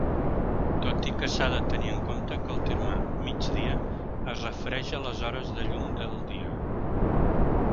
Tot i que s'ha de tenir en compte que el terme "mig dia" es refereix a les hores de llum del dia.